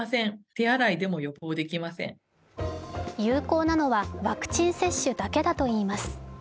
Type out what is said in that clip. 有効なのはワクチン接種だけだといいます。